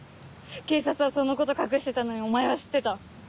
警察はそのこと隠してたのにお前は知ってた。